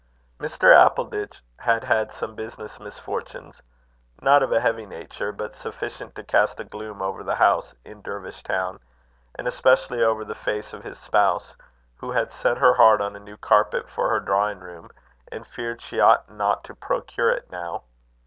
Mr. Appleditch had had some business misfortunes, not of a heavy nature, but sufficient to cast a gloom over the house in Dervish Town, and especially over the face of his spouse, who had set her heart on a new carpet for her drawing room, and feared she ought not to procure it now.